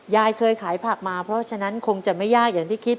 ยายเคยขายผักมาเพราะฉะนั้นคงจะไม่ยากอย่างที่คิด